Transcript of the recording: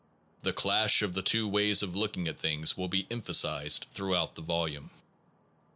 The clash of the two ways of looking at things will be emphasized throughout the volume.